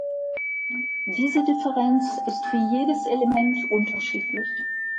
Diese Differenz ist für jedes Element unterschiedlich.